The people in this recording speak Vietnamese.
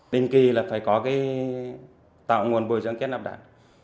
đình kỳ là phải có tạo nguồn bồi dân kết nạp đảng